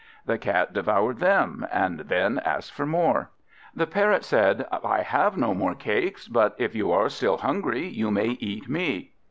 The Cat devoured them, and then asked for more. The Parrot said, "I have no more cakes, but if you are still hungry, you may eat me."